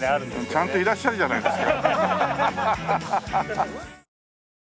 ちゃんといらっしゃるじゃないですか。